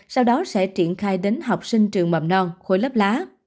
sau đó sẽ triển khai đến học sinh trường mầm non khối lớp lá